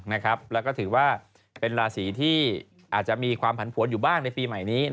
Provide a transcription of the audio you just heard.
แล้วก็ถือว่าเป็นราศีที่อาจจะมีความผันผวนอยู่บ้างในปีใหม่นี้